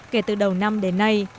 kể từ đầu năm đến nay